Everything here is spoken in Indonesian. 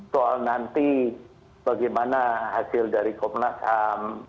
soal nanti bagaimana hasil dari komnas ham